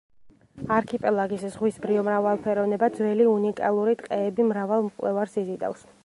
არქიპელაგის ზღვის ბიომრავალფეროვნება, ძველი, უნიკალური ტყეები მრავალ მკვლევარს იზიდავს.